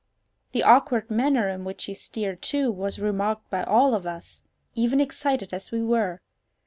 The awkward manner in which she steered, too, was remarked by all of us, even excited as we were.